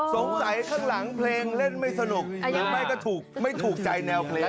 สงสัยข้างหลังเพลงเล่นไม่สนุกหรือไม่ก็ถูกไม่ถูกใจแนวเพลง